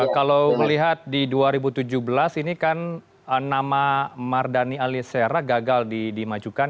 kalau melihat di dua ribu tujuh belas ini kan nama mardhani alisera gagal dimajukan